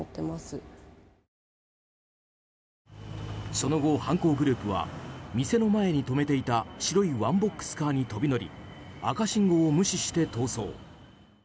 その後、犯行グループは店の前に止めていた白いワンボックスカーに飛び乗り赤信号を無視して逃走。